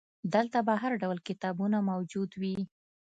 دلته به هرډول کتابونه موجود وي.